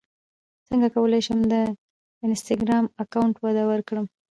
څنګه کولی شم د انسټاګرام اکاونټ وده ورکړم